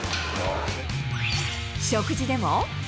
食事でも。